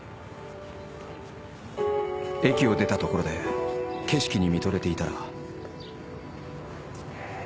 駅を出たところで景色に見とれていたら。